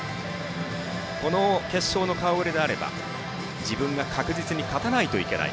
この決勝の顔ぶれであれば自分が確実に勝たないといけない。